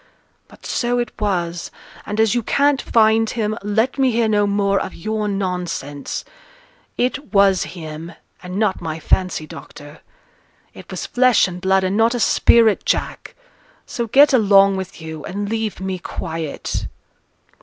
But so it was; and as you can't find him, let me hear no more of your nonsense. It was him, and not my fancy, doctor. It was flesh and blood, and not a spirit, Jack. So get along with you, and leave me quiet.'